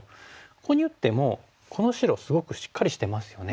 ここに打ってもこの白すごくしっかりしてますよね。